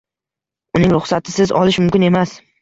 Uning ruxsatisiz olish mumkin emas.